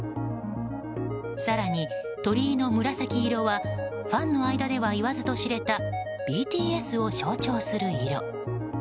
更に、鳥居の紫色はファンの間では言わずと知れたＢＴＳを象徴する色。